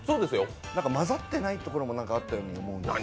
なんか混ざってないところもあったように思いますけど。